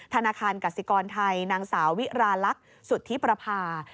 ธนาคารกสิกรไทยนางสาววิราลักษณ์สุธิประพา